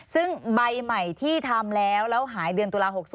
ซึ่งใบใหม่ที่ทำแล้วแล้วหายเดือนตุลา๖๐